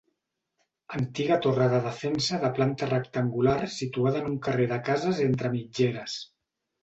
Antiga torre de defensa de planta rectangular situada en un carrer de cases entre mitgeres.